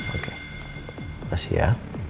oke makasih ya